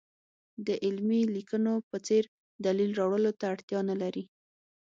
د علمي لیکنو په څېر دلیل راوړلو ته اړتیا نه لري.